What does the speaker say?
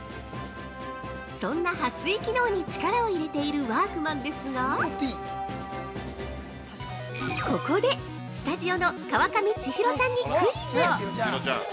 そんなはっ水機能に力を入れているワークマンですがここでスタジオの川上千尋さんにクイズ！